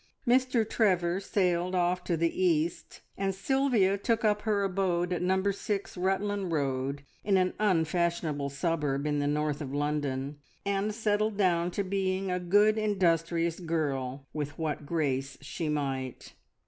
Mr Trevor sailed off to the East, and Sylvia took up her abode at Number 6 Rutland Road, in an unfashionable suburb in the north of London, and settled down to being a "good industrious girl" with what grace she might.